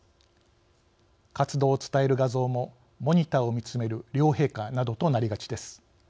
活動を伝える画像もモニターを見つめる両陛下などとなりがちです。